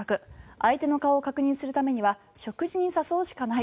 相手の顔を確認するためには食事に誘うしかない。